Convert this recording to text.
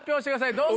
どうぞ。